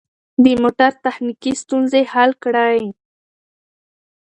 د موټر تخنیکي ستونزې حل کړئ.